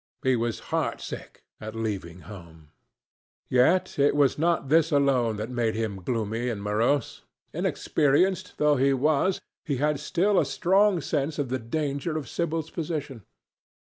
He was heart sick at leaving home. Yet it was not this alone that made him gloomy and morose. Inexperienced though he was, he had still a strong sense of the danger of Sibyl's position.